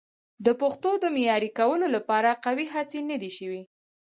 د پښتو د معیاري کولو لپاره قوي هڅې نه دي شوي.